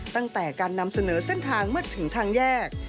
ตั้งแต่การนำเสนอเส้นทางเมื่อถึงทางแยก